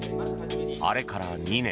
あれから２年。